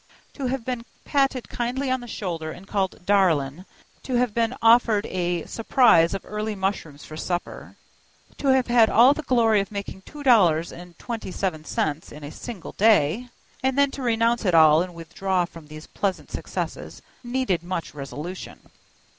To have been patted kindly on the shoulder and called "darlin'," to have been offered a surprise of early mushrooms for supper, to have had all the glory of making two dollars and twenty seven cents in a single day, and then to renounce it all and withdraw from these pleasant successes, needed much resolution.